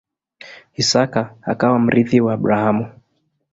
Isaka akawa mrithi wa Abrahamu.